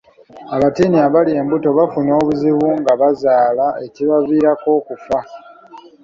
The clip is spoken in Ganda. Abatiini abali embuto bafuna obuzibu nga bazaala ekibaviirako okufa.